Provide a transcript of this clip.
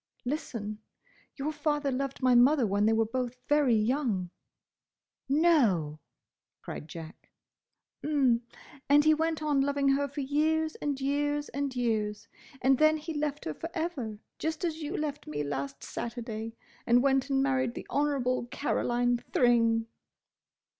"Listen. Your father loved my mother when they were both very young—" "No!" cried Jack. "'M. And he went on loving her for years and years and years! And then he left her for ever, just as you left me last Saturday; and went and married the Honourable Caroline Thring."